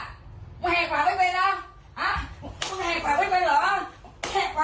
ต้องบ่อยให้ใจสักอุ้ยอุ้ยอุ้ยอุ้ยอุ้ยอุ้ยหัวว่าจะทำ